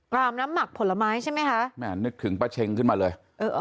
รามน้ำหมักผลไม้ใช่ไหมคะแม่นึกถึงป้าเช็งขึ้นมาเลยเออ